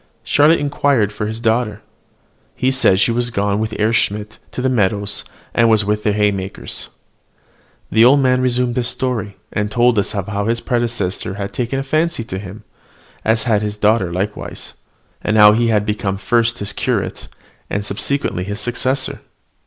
Charlotte inquired for his daughter. He said she was gone with Herr Schmidt to the meadows, and was with the haymakers. The old man then resumed his story, and told us how his predecessor had taken a fancy to him, as had his daughter likewise; and how he had become first his curate, and subsequently his successor.